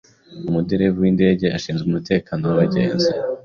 Umuderevu windege ashinzwe umutekano wabagenzi.